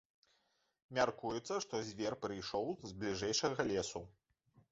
Мяркуецца, што звер прыйшоў з бліжэйшага лесу.